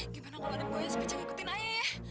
gimana kalau ada gue yang sepece ngikutin ae